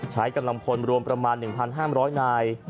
ใช้กำลังพลรวมประมาณ๑๕๐๐นาย